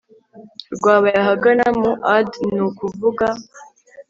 rwabaye ahagana mu ad ni ukuvuga